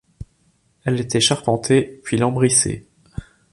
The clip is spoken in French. Elle était charpentée, puis lambrissée.